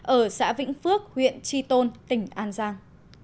ở xã vĩnh phước huyện tri tôn tỉnh an giang